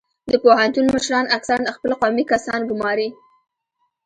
د پوهنتون مشران اکثرا خپل قومي کسان ګماري